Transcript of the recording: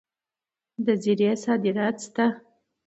د زیرې صادرات شته.